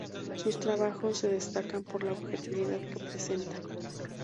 Sus trabajos se destacan por la objetividad que presenta.